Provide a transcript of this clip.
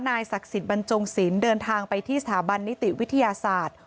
นายสักศิษย์บันจงศิลป์เดินทางไปที่สถาบันนิติวิทยาศาสตร์